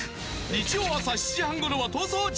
日曜朝７時ごろは逃走中。